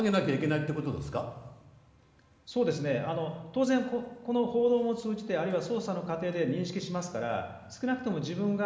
当然、この報道を通じてあるいは捜査の過程で認識しますから少なくとも自分が